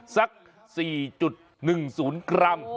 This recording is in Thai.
สัก๔๑๐กรัม